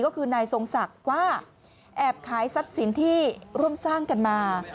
ก็คือนายทรงศักดิ์ว่าแอบขายทรัพย์สินที่ร่วมสร้างกันมา